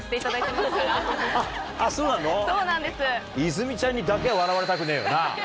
泉ちゃんにだけは笑われたくねえよなぁ？